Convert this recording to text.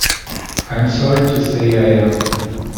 I am sorry to say I am.